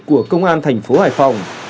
của công an thành phố hải phòng